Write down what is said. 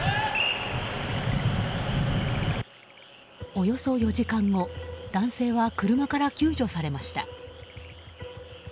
およそ４時間後男性は車から救助されました。